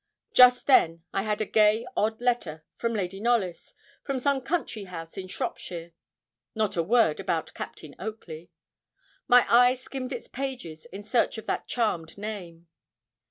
Just then I had a gay, odd letter from Lady Knollys, from some country house in Shropshire. Not a word about Captain Oakley. My eye skimmed its pages in search of that charmed name.